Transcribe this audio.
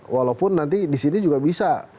walaupun nanti di sini juga bisa